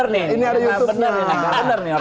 bener nih orangnya